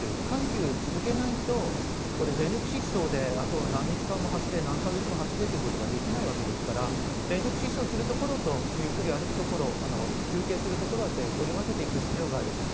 緩急を続けないと全力疾走であと何日間何か月も走れということはできないわけですから全力疾走するところとゆっくり歩くところ休憩するところを織り交ぜていく必要がある。